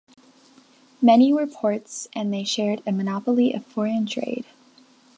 Many were ports and they shared a monopoly of foreign trade.